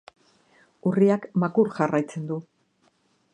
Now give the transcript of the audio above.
Urriak makur jarraitzen du.